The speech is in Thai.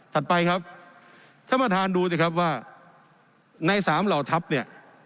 ไปครับท่านประธานดูสิครับว่าในสามเหล่าทัพเนี่ย